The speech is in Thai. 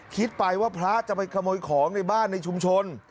คิดไปว่าพระจะไปขโมยของในบ้านในชุมชน